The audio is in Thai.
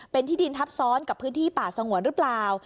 เป็นที่ดินทับซ้อนกับพื้นที่ป่าสงวนหรือเปล่า